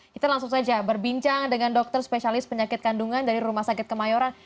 kita langsung saja berbincang dengan dokter spesialis penyakit kandungan dari rumah sakit kemayoran